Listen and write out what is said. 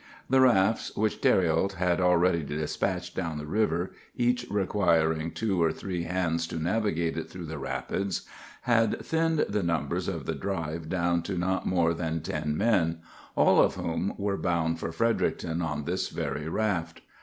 The rafts which Thériault had already despatched down the river, each requiring two or three hands to navigate it through the rapids, had thinned the numbers of the drive down to not more than ten men, all of whom were bound for Fredericton on this very raft.